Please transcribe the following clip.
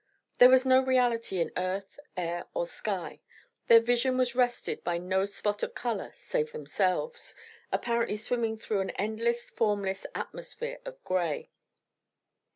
There was no reality in earth, air, or sky. Their vision was rested by no spot of color save themselves, apparently swimming through an endless, formless atmosphere of gray.